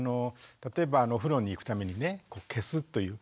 例えばお風呂に行くためにね消すという。